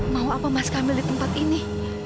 mau apa mas kamil di tempat ini